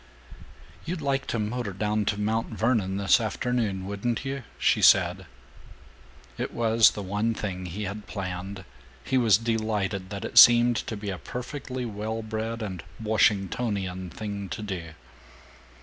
"You'd like to motor down to Mount Vernon this afternoon, wouldn't you?" she said. It was the one thing he had planned. He was delighted that it seemed to be a perfectly well bred and Washingtonian thing to do.